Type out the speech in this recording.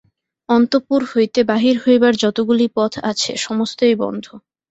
অন্তঃপুর হইতে বাহির হইবার যতগুলি পথ আছে সমস্তই বন্ধ।